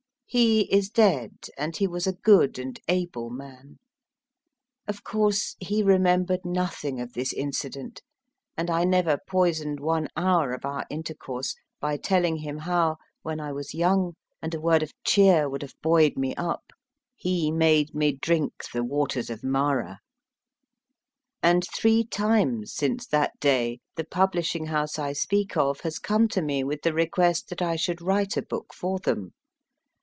He is dead, and he was a good and able man. Of course he remembered nothing of this incident, and I never poisoned one hour of our inter course by telling him how, when 1 was young and a word of cheer would have buoyed me up, he made me drink the waters of Marah. And three times since that day the publishing house I speak of has come to me with the request that I should write a book for them.